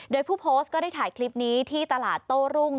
โดยผู้โพสต์ก็ได้ถ่ายคลิปนี้ที่ตลาดโต้รุ่ง